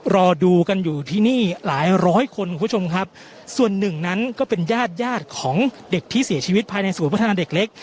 รอดูกันอยู่ที่นี่หลายร้อยคนคุณผู้ชมครับส่วนหนึ่งนั้นก็เป็นญาติญาติของเด็กที่เสียชีวิตภายในศูนย์พัฒนาเด็กเล็ก